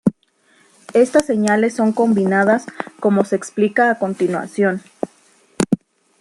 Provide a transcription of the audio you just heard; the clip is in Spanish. Estas señales son combinadas como se explica a continuación.